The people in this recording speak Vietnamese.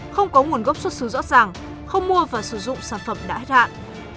không có nguồn gốc xuất xứ rõ ràng không mua và sử dụng sản phẩm đã hết hạn